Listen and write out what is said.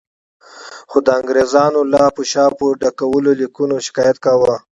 خو د انګریزانو له لاپو شاپو ډکو لیکونو شکایت کاوه.